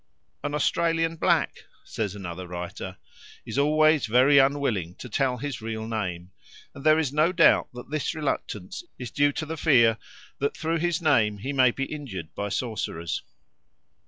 "An Australian black," says another writer, "is always very unwilling to tell his real name, and there is no doubt that this reluctance is due to the fear that through his name he may be injured by sorcerers."